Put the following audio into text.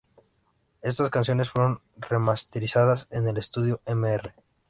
Estas canciones fueron remasterizadas en el estudio Mr.